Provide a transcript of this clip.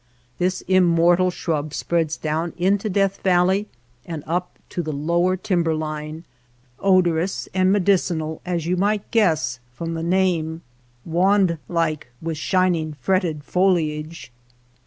(This immortal shrub spreads down into J Death Valley and up to the lower tim / ber line, odorous and medicinal as you might guess from the name, wandlike, with shining fretted foliage.